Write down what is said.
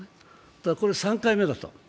だから、これ３回目だと。